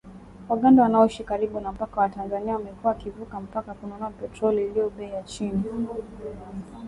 Waganda wanaoishi karibu na mpaka wa Tanzania wamekuwa wakivuka mpaka kununua petroli iliyo bei ya chini